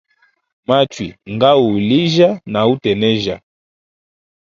Machui nga u uhulijya na utenejya.